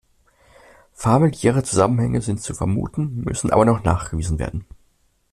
Familiäre Zusammenhänge sind zu vermuten, müssen aber noch nachgewiesen werden.